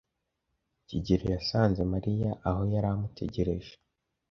kigeli yasanze Mariya aho yari amutegereje.